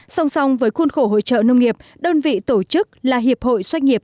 song song với khuôn khổ hội trợ nông nghiệp đơn vị tổ chức là hiệp hội doanh nghiệp